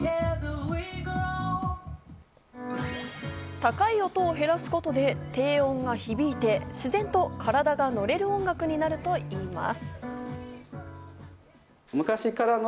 高い音を減らすことで、低音が響いて、自然と体がのれる音楽になるといいます。